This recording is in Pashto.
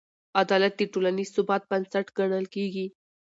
عدالت د ټولنیز ثبات بنسټ ګڼل کېږي.